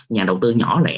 nhà đầu tư nhỏ lẻ